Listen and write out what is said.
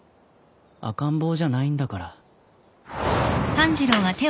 赤ん坊じゃないんだから。